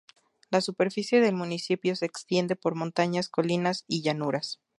La superficie del municipio se extiende por montañas, colinas y llanuras.